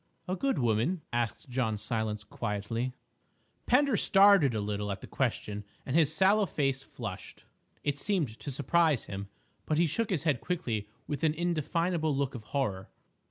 "A good woman?" asked John Silence quietly. Pender started a little at the question and his sallow face flushed; it seemed to surprise him. But he shook his head quickly with an indefinable look of horror.